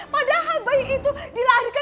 padahal bayi itu dilahirkan